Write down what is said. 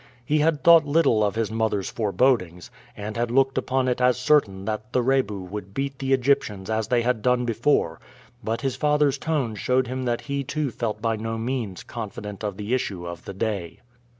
He had thought little of his mother's forebodings, and had looked upon it as certain that the Rebu would beat the Egyptians as they had done before, but his father's tone showed him that he too felt by no means confident of the issue of the day.